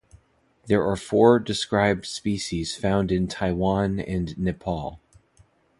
There are four described species found in Taiwan and Nepal.